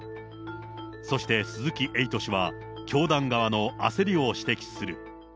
そして、鈴木エイト氏は、教団側の焦りを指摘する。